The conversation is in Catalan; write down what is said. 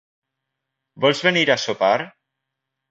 Vols venir a sopar?